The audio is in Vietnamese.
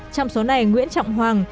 trong số này nguyễn trọng hoàng